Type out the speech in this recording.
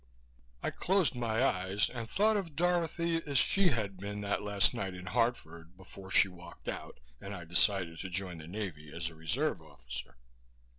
I closed my eyes and thought of Dorothy as she had been that last night in Hartford before she walked out and I decided to join the Navy as a Reserve Officer.